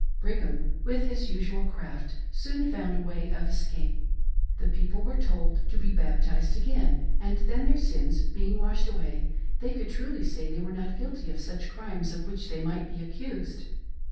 Brigham, with his usual craft, soon found a way of escape ; the people were told to be baptized again, as then, their sins being washed away, they could truly sa/they were not guilty of such crimes of which they might be accused.